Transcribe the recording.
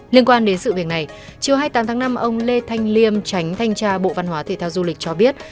liên quan đến sự việc này chiều hai mươi tám tháng năm ông lê thanh liêm tránh thanh tra bộ văn hóa thể thao du lịch cho biết